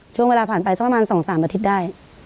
ช่วงเวลาผ่านไปสักประมาณ๒๓อาทิตย์ได้